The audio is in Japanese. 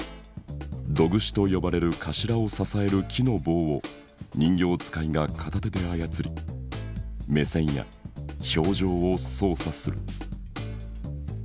胴串と呼ばれる首を支える木の棒を人形遣いが片手で操り目線や表情を操作する。